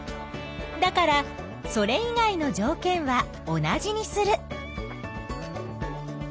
だからそれ以外のじょうけんは同じにする。